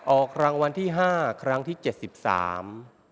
ออกรางวัลที่ห้าครั้งที่เจ็ดสิบสาม